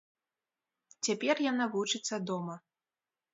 Цяпер яна вучыцца дома.